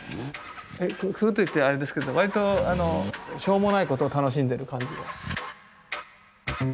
こういうこと言ったらあれですけど割としょうもないことを楽しんでる感じが。